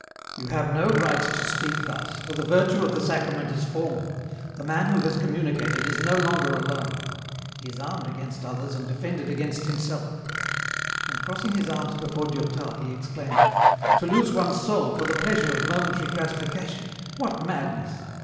" You have no right to speak thus, for the virtue of the Sacrament is formal, the man who has communicated is no longer alone. He is armed against others and defended against himself," and crossing his arms before Durtal he exclaimed, —" To lose one's soul for the pleasure of momentary gratification ! what madness.